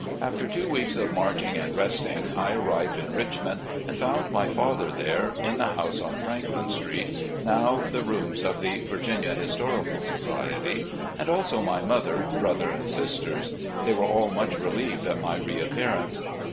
After two weeks of marching and resting, I arrived in Richmond and found my father there, in the house on Franklin Street, now the rooms of the "Virginia Histori cal Society," and also my mother, brother, and sisters. They were all much relieved at my reappearance.